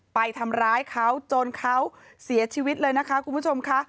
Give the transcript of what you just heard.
ไปทำร้ายเขาจนเขาเสียชีวิตเลยนะคะคุณผู้ชมค่ะ